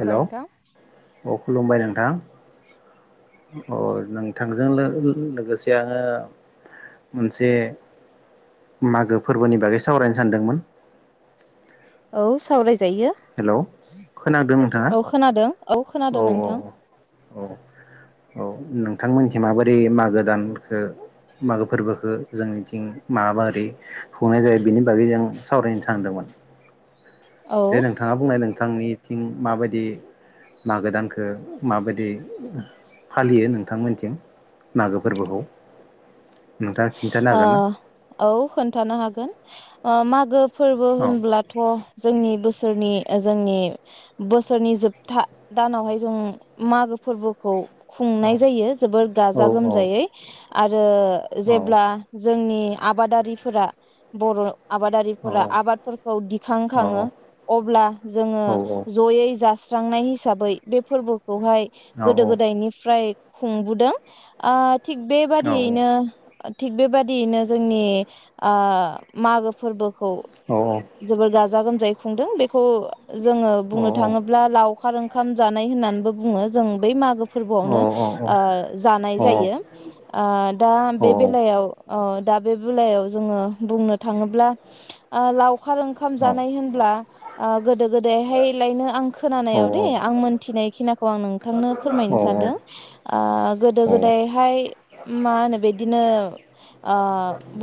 Hello नोंथां। अ खुलुमबाय नोंथां अ नोंथांजों लो लो-लोगोसे आङो मोनसे मागो फोरबोनि बागै सावरायनो सानदोंमोन औ सावराय हेलौ खोनादों नोंथाङा औ खोनादों खोनादों औ औ नोंथां औ औ नोंथांमोन माबोरै मागो दानखो मागो फोरबोखो जोंनिथिं माबोरै खुंनाय जायो बिनि बागै जों सावरायनो सानदोंमोन औ दे नोंथाङा बुंनाय नोंथांनि थिं माबायदि मागो दानखो माबायदि फालियो नोंथांमोनथिं मागो फोरबोखौ नोंथाङा खिन्थानो ओ हागोन ना औ खोन्थानो हागोन ओ मागो फोरबो औ होनब्लाथ जोंनि बोसोरनि ओ जोंनि बोसोरनि जोबथा दानावहाय जों मागो फोरबोखौ खुंनाय औ जायो जोबोर औ गाजा गोमजायै औ आरो औ जेब्ला जोंनि आबादारिफोरा बर' आबादारिफोरा आबादफोरखौ दिखांखाङो अब्ला जोङो जयै जा सुस्रांनाय हिसाबै बे फोरबो खौहाय गोदो गोदायनिफ्राय खुंबोदों ओ थिग बेबादियैनो थिग बेबायदियैनो जोंनि ओ मागो फोरबो खौ जोबोर गाजा गोम जाय खुंदों बेखौ जोङो बुंनो थाङोब्ला लाव खार ओंखाम जानाय होननानैबो बुङो जों बै मागो फोरबोआवनो ओ जानाय जायो ओ दा बे बेलायाव ओ दा बे बेलायाव जोङो बुंनो थाङोब्ला ओ लाव खार ओंखाम जानाय होनब्ला ओ गोदो गोदायहायलायनो आं खोनानायाव दे आं मोनथिनायखिना खौ आं नों नोंथांनो फोरमायनो सानदों ओ गोदो गोदायहाय मा होनो बे बिदिनो ओ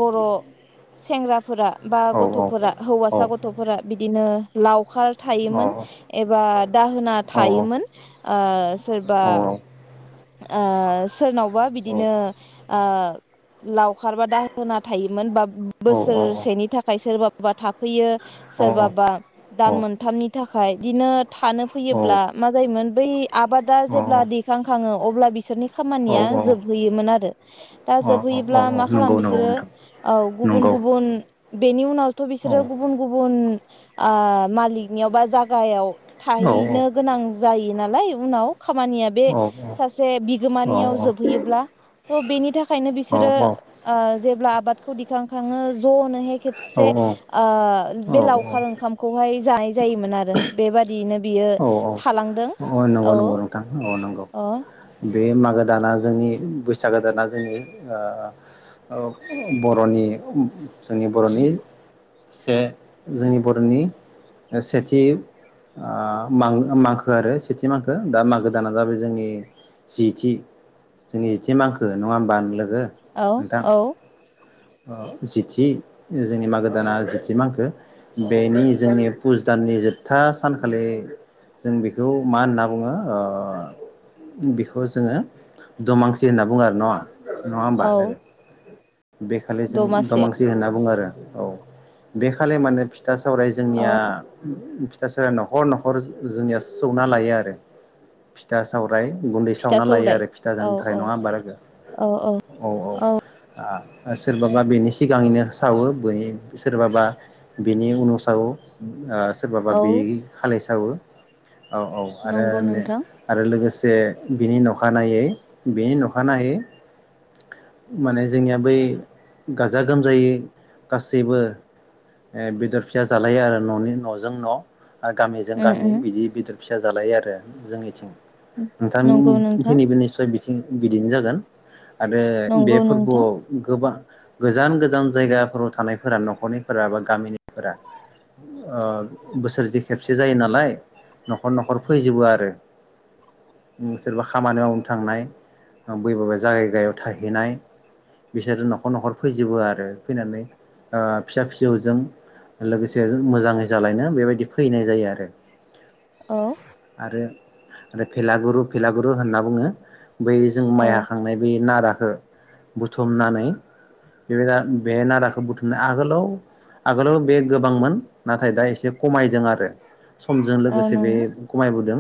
बर' सेंग्राफोरा बा गथ'फोरा हौवासा गथ'फोरा बिदिनो लाव खार थायोमोन एबा दाहोना थायोमोन आ सोरबा ओ सोरनावबा बिदिनो ओ लावखारबा दाहोना थायोमोन बा बोसोरसेनि थाखाय सोरबाबा थाख फैयो सोरबाबा दान मोनथामनि थाखाय बिदिनो थानो फैयोब्ला मा जायोमोन बै आबादा जेब्ला दैखां खाङो अब्ला बिसोरनि खामानिया जोबहैयोमोन आरो दा जोबहै ब्ला मा खालाम नंगौ नंगौ बिसोरो नोंथां औ गुबुन नंगौ गुबुन बेनि उनावथ औ बिसोरो गुबुन गुबुन ओ मालिकनियाव बा जागायाव औ थाहैनो गोनां जायो नालाय उनाव खामानिया बे औ औ सासे बिगोमानियाव जोबहैयोब्ला थ बेनि थाखायनो बिसोरो ओ जेब्ला आबादखौ दिखां खाङो जनोहै खेबसे ओ बे लावखार ओंखामखौहाय जायो जायोमोन आरो बेबादियैनो बियो औ थालांदों नंगौ औ नंगौ नोंथां औ नंगौ अ बे मागो दाना जोंनि बैसागो दाना जोंनि ओ बरनि जोंनि बरनि से जोंनि बरनि सेथि ओ मांखो आरो सेथि मांखो दा मागो दाना जाबाय जोंनि जिथि जोंनि जिथि मागो नङा होमबा। औ औ ओ जिथि जोंनि मागो दाना जिथि मांखो बेनि जोंनि फुज दाननि जोबथा सानखालि जों बेखौ मा होनना बुङो बेखौ जोङो दमांसि होनना बुङो आरो नङा। नङा होनबा औ लोगो। बे खालि जों दमासियाव दमांसि होनना बुङोब्ला औ बे खालि माने फिथा सावराय औ जोंनिया नखर नखर जोंनिया सौना लायो आरो फिथा साव आमफ्राय गुन्दै फिथा सौवना लायो सौराय आरो फिथा औ जानो थाखाय औ नङा होनबा लोगो औ औ ओ सोरबाबा बेनि सिगाङैनो सावो बेनि सोरबाबा बेनि उनाव सावो ओ सोरबाबा औ बे खालाय सावो औ औ आरो नंगौ नोंथां आरो लोगोसे जे बिनि नखानायै बिनि नखानायै माने जोंनिया बै गाजा गोमजायै गासैबो ओ बेदर फिसा जालायो आरो ननि नजों न आरो गामिजों उम गामि उम बिदि बेदर फिसा जालायो आरो जोंनिथिं नोंथां नंगौ नोंथां फिनि बिनि सो बिदिनो जागोन। आरो बे नंगौ नोंथां फोरबोआव गोबां गोजान गोजान जायगा गुबुन नखराव थानायफोरा नखरनिफोरा बा गामिनिफोरा ओ बोसोरसे खेबसे जायो नालाय नखर नखर फैजोबो आरो उम सोरबा खामानि मावनो थांनाय उम बैबाबा जायगाययाव थाहैनाय। बिसोरो नखर नखर फैजोबो आरो फैनानै ओ फिसा फिसौजों लोगोसे मोजाङै जालायनो बेबायदि फैनाय जायो, आरो औ आरो आरो फेलागुरु फेलागुरु होनना बुङो। बै जों औ माइ हाखांनाय बे नारा हो बुथुमनानै बे बेहाय नाराखौ बुथुमनाय आगोलाव आगोलाव बे गोबांमोन नाथाय दा एसे खमायदों आरो समजों औ लोगोसे बे नंगौ खमायबोदों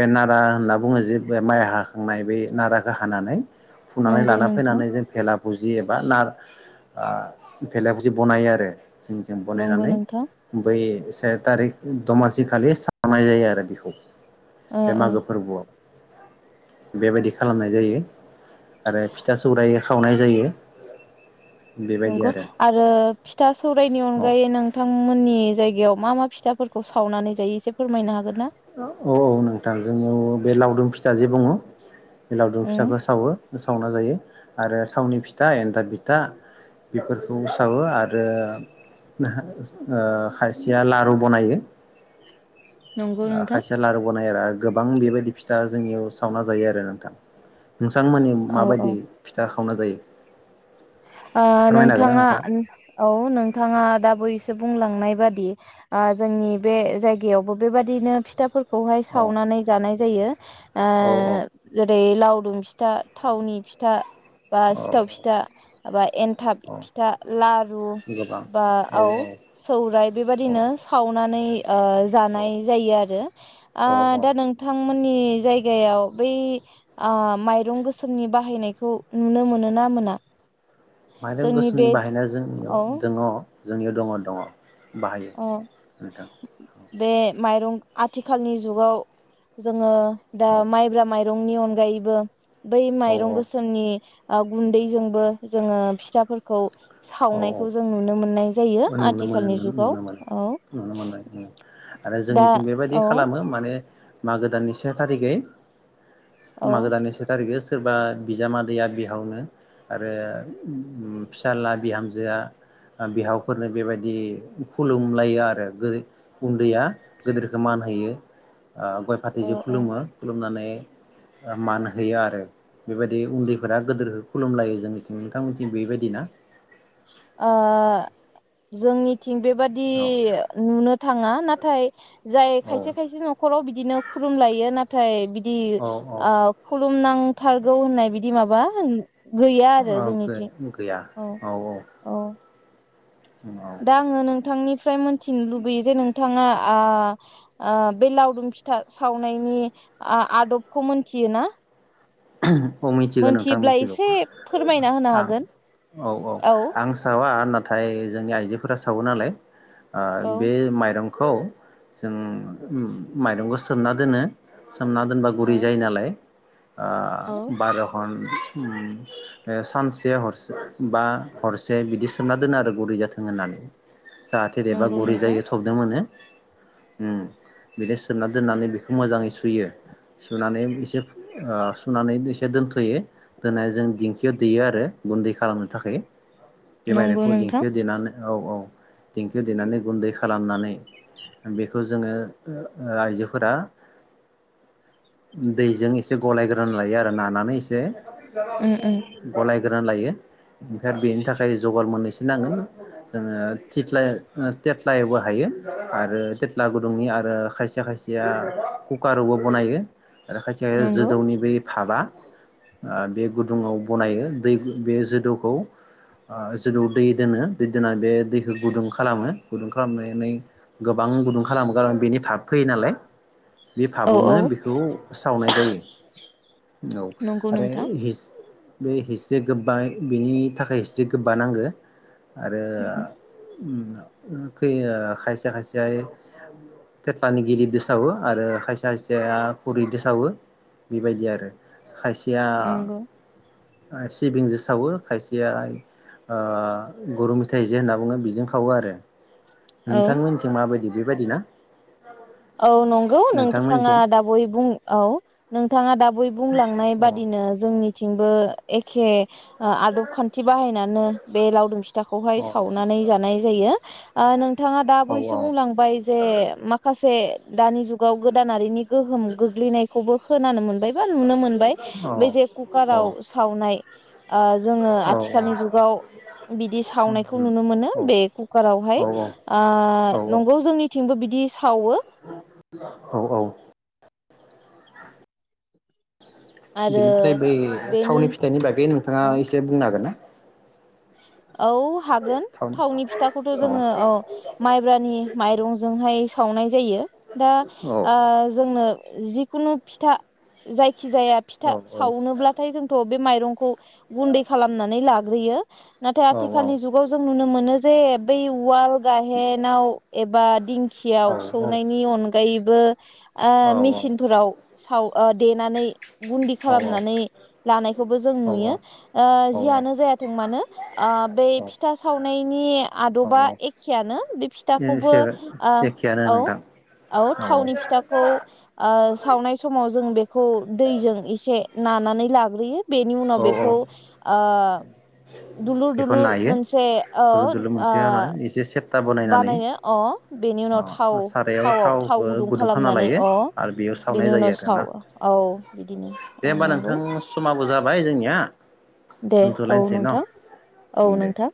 बे नारा होनना बुङो जे बे माइ हाखांनाय बे नाराखौ हानानै फुनानै नंगौ लाना नोंथां फैनानै जों फुजि एबा ना ओ भेला भुजि बानायो आरो जों जों नंगौ बनायनानै नोंथां बै से थारिख दमासि खालि साननाय जायो आरो बेखौ ओ बे ओ मागो फोरबोआव बेबायदि खालामनाय जायो। आरो फिथा सौराय खावनाय जायो। नंगौ आरो फिथा सौरायनि औ अनगायै नोंथांमोननि जायगायाव मा मा फिथा फोरखौ सावनानै जायो एसे फोरमायनो हागोन ना? औ औ नोंथां जोंनियाव बे लावदुम फिथा जे बुङो। लावदुम उम फिथाखौ सावो। सावना जायो आरो थावनि फिथा, एन्थाब फिथा बेफोरखौ सावो आरो ओ खायसिया लारु बनायो। [unintelligible] नोंथां खायसेया लारु बनायो आरो गोबां बेबायदि फिथा जोंनियाव सावना जायो आरो नोंथां। नोंसांमोननि औ औ माबायदि फिथा खावना जायो ओ फोरमायनो हागोन ना नोंथांङा नोंथाङा औ नोंथांङा दा बै बुंलांनाय बादि जोंनि बे जायबो बेबायदिनो फिथाफोर खौहाय औ सावनानै जानाय जायो ओ औ औ जेरै लावदुम फिथा, थावनि फिथा। बा औ औ सिथाव फिथा। [unintelligible] एन्थाब औ फिथा लारु गोबां बा औ सौराय औ बेबादिनो सावनानै ओ औ औ जानाय जायो आरो ओ औ दा नोंथां मोननि जायगायाव बै ओ माइरं गोसोमनि बाहायनायखौ नुनो मोनो ना मोना? माइरं जोंनि गोसोमनि बे बाहायनाया जोंनियाव दोङ। जोंनियाव दङ दङ। बाहायो अ नोंथां बे माइरं आथिखालनि जुगाव जोंङो दा औ माइब्रा माइ रंनि अनगायैबो बै औ माइरं गोसोमनि ओ गुन्दैजोंबो जोंङो फिथाफोरखौ औ सावनायखौ जों नुनो मोननाय जायो औ नुनो मोनो आथिखालनि नुनो जुग मोनो नुनो मोननाय उम्म आरो दा जोंनिथिं बेबायदि औ खालामो माने मागो दाननि से थारिखै औ मागो दाननि से थारिखे सोरबा बिजामादैैया बिहावनो आरो उम फिसाला बिहामजोआ बिहावफोरनो बेबायदि खुलुमलायो आरो गो उन्दैया गेदेरखौ मान होयो ओ गय औ फाथैजों औ खुलुमो खुलुमनानै ओ मान होयो आरो बेबायदि उन्दैफोरा गोदोरखौ खुलुमलायो जोंनिथिं नोंथांमोनथिं बेबायदिना ओ जोंनि थिं बेबादि औ नुनो थाङा नाथाय जाय औ खायसे खायसे नखराव बि बिदिनो खुलुमलायो नाथाय बि दि औ औ आ खु खुलुमनांथारगौ होननाय बिदि माबा होन औ गै गैया औ औ औ औ दा आङो नोंथांनिफ्राय मोनथिनो लुबैयो जे नोंथाङा आ आ बे लावदुम फिथा सावनायनि आ आदबखौ मोनथियो ना [unintelligible] औ मिथिगौ नोंथां मोनथियोब्ला मिथिगौ एसे फोरमायना होनो आं हागोन औ औ आं सावा नाथाय जोंनि आइजोफोरा सावो नालाय ओ औ बे माइरं खौ जों ओम माइरंखौ सोमना दोनो सोमना दोनबा औ गुरै जायो नालाय औ ओ बारघन उम ए सानसे हरसे बा हरसे बिदि सोमना दोनो आरो गुरै जाथों होननानै जाहाथे देबा नंगौ गुरै नोंथां जायो थबनो मोनो होम बिदि सोमना दोननानै बेखौ मोजाङै सुयो सुनानै एसे ओ सुनानै एसे दोनथयो दोननानै जों दिंखियाव दैयो आरो गुन्दै खालामनो थाखाय बे नंगौ माइरंखौ नोंथां दिेंखियाव देनानै औ औ देंखियाव देनानै गुन्दै खालामनानै बेखौ जोङो ओ ओ आइजोफोरा दैजों ए एसे गलायग्रोनानै लायो आरो नानानै एसे उम उम गलाय ग्रोनानै लायो ओमफ्राय आरो बेनि थाखाय जगाल मोननैसो नांगोन जोङो थिथ्ला थेथ्लायावबो हायो आरो थेथ्ला गुदुंनि आरो खायसे खायसेया कुकारावबो बनायो आरो खयसे नंगौ जोदौनि बे भाबा आ बे गुदुङाव बनायो दै बे जोदौखौ ओ जोदौ दै दोनो दै दोननानै बे दैखौ गुदुं खालामो गुदुं खालामनानै गोबां गुदुं खालामो खारन बेनि थाब फैयो नालाय बे औ औ फाबावनो बेखौ सावनाय जायो। औ नंगौ आरो नोंथां हिस बे हिस्रि गोबा बेनि थाखाय हिस्रि गोबा नांगो। आरो उम खै-आ-खायसे खायसेया थेथ्लानि गिलिरजों सावो आरो खायसे खायसेया खुरिदो सावो। बेबायदि आरो खायसेया नंगौ ओ सिबिंजों सावो खायसेयाय ओ गुरु मेथाय जे होनना बुङो बेजों खावो आरो। औ नोंथां मोनिथिं माबादि। बेबायदि ना? औ नंगौ नोंथाङा नोंथांमोनथिं दा बावै बुं औ नोंथाङा दाब वयै बुंलांनाय अ बादिनो जोंनि थिंबो एखे ओ आदब खान्थि बाहायनानो बे लावदुम फिथा औ खौहाय औ सावनानै जानाय जायो। ओ नोंथाङा औ दाबावैसो औ बुंलांबाय जे माखासे दानि जुग गाव गोदानारिनि गोहोम गोग्लैनायखौबो खोनानो मोन बाय बा नुनो मोनबाय बे जे कुकाराव सावनाय ओ जोङो औ आथिखालनि जुगाव बिदि सावनायखौ नुनो मोनो औ औ बे औ कुकारावहाय ओ औ नंगौ जोंनि थिंबो बिदि सावो। औ औ आरो बिनिफ्राय बै बेनि थावनि फिथानि बागै नोंथाङा औ एसे बुंनो हागोन ना? औ हागोन थावनि फिथाखौथ' जोङो औ माइब्रानि माइरंजोंहाय सावनाय जायो दा औ ओ जोंनो जिखुनु फिथा जाय खिजाया औ फिथा सावनोब्लाथाय जोंथ' बे माइरंखौ गुन्दै खालामनानै लाग्रोयो नाथाय औ आथिखालनि जुगाव जों नुनो मोनो जे जे बे वाल गाहेनाव एबा दिं खियाव सौनायनि अनगायै बो ओ मेसिनफोराव साव ओ देनानै गुन्दि खालामनानै लानायखौबो जों नुयो ओ जियानो जायाथों मानो ओ बे औ फिथा सावनायनि औ आदबा औ एखेयानो बे फिथाखौबो एसे ओ एखेयानो औ नोंथां औ थावनि फिथाखौ ओ सावनाय समाव जों बेखौ दैजों एसे नानानै लाग्रोयो बेनि उनाव औ बेखौ औ ओ दुलुर बेखौ दुलुर नायो मोनसे औ दुलुर दुलुर ओ मोनसे हानानै एसे सेपथा बनायनानै बानायनो अ बेनि उनाव थाव अ सारायाव थावआव थाव थावखौ गुदुं खालामना खालामनानै लायो अ आरो बेयाव सावनाय बेनि जायो उनाव आरोना सावो औ बिदिनो औ नंगौ माबो जाबाय जोंनिया दे औ दोनथ'लायनोसै न' नोंथां। औ दे नोंथां